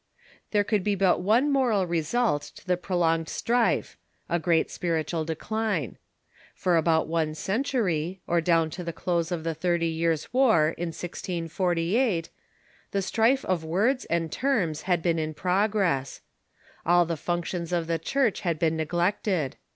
There could be but one moral result to the prolonged strife — a great spiritual decline. For about one century, or down Moral ResuUs ^*^^^® close of the Thirty Years' War, in 1648, the of the Contro strife of words and terms had been in progress, versia en ^j^ ^y^^ functions of the Church had been neglected.